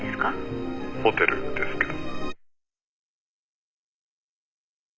ホテルですけど。